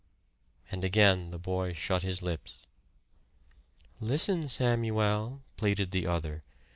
And again the boy shut his lips. "Listen, Samuel," pleaded the other.